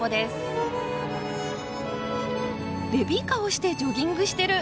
ベビーカーを押してジョギングしてる。